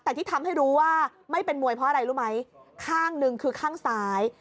แต่ที่ทำให้รู้ว่าไม่เป็นมวยเพราะอะไรรู้ไหมข้างหนึ่งคือข้างซ้าย